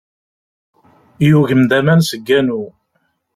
Yugem-d aman seg wanu.